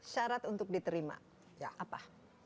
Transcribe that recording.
syarat untuk diterima apa